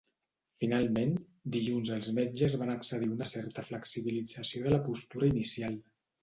Finalment, dilluns els metges van accedir a una certa flexibilització de la postura inicial.